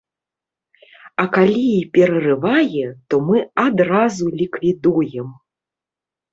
А калі і прарывае, то мы адразу ліквідуем.